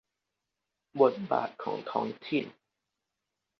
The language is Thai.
บทบาทของท้องถิ่น